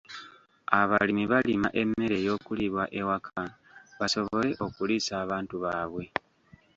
Abalimi balima emmere ey'okuliibwa ewaka basobole okuliisa abantu baabwe.